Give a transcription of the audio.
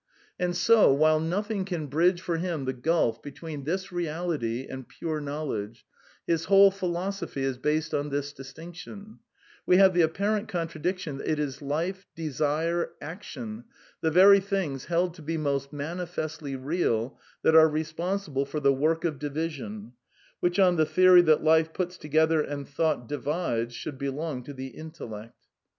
^ 52 A DEFENCE OF IDEALISM And 80, while nothing can bridge for him the gulf be tween this reality and pure knowledge — his whole phi losophy is based on this distinction — we have the apparent contradiction that it is life, desire, action, the very things held to be most manifestly " real," that are responsible for the work of division, which, on the theory that life puts together and thought divides, should belong to the intellect.